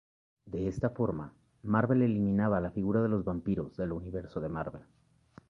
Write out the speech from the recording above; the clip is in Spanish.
De esta forma, Marvel eliminaba la figura de los vampiros del universo Marvel.